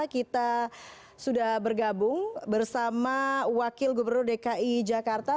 kita sudah bergabung bersama wakil gubernur dki jakarta